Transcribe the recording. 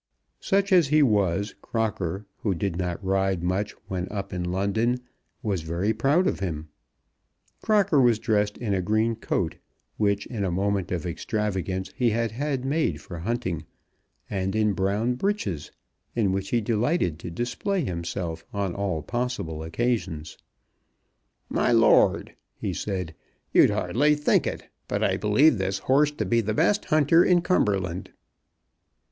Such as he was, Crocker, who did not ride much when up in London, was very proud of him. Crocker was dressed in a green coat, which in a moment of extravagance he had had made for hunting, and in brown breeches, in which he delighted to display himself on all possible occasions. "My lord," he said, "you'd hardly think it, but I believe this horse to be the best hunter in Cumberland."